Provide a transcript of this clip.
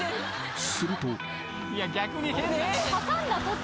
［すると］